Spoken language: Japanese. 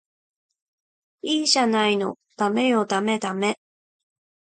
いいじゃないのダメよダメダメ